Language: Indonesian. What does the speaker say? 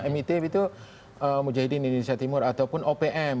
mit itu mujahidin indonesia timur ataupun opm